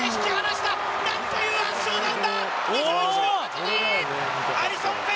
なんという圧勝なんだ！